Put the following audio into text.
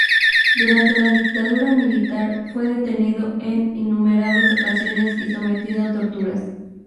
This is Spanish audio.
Durante la dictadura militar fue detenido en innumerables ocasiones y sometido a torturas.